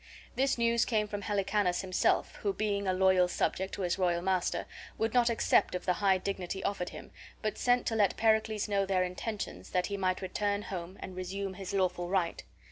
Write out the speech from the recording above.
This news came from Helicanus himself, who, being a loyal subject to his royal master, would not accept of the high dignity offered him, but sent to let Pericles know their intentions, that he might return home and resume his lawful right.